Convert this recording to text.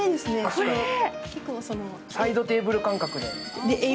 サイドテーブル感覚で。